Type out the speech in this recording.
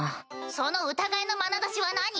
その疑いのまなざしは何？